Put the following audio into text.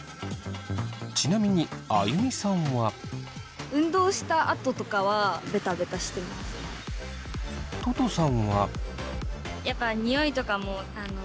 ちなみにあゆみさんは。ととさんは。